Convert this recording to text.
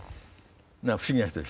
不思議な人でした。